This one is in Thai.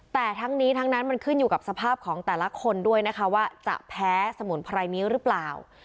แต่ทั้งนี้ทั้งนั้นมันขึ้นอยู่กับสภาพของแต่ละคนด้วยนะคะว่าจะแพ้สมุนไพรนี้หรือเปล่า